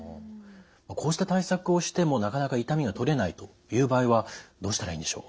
こうした対策をしてもなかなか痛みがとれないという場合はどうしたらいいんでしょう？